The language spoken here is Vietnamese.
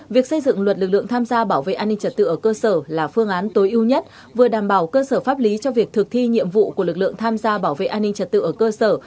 việc xây dựng luật lực lượng tham gia bảo vệ an ninh trật tự ở cơ sở là phương án tối ưu nhất vừa đảm bảo cơ sở pháp lý cho việc thực thi nhiệm vụ của lực lượng tham gia bảo vệ an ninh trật tự ở cơ sở